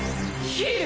ヒール！